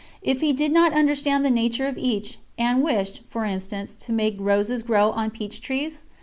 if he did not understand the nature of each, and wished, for instance, to make roses grow on peach trees?